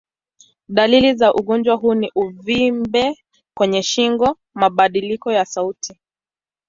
Dalili za ugonjwa huu ni uvimbe kwenye shingo, mabadiliko ya sauti.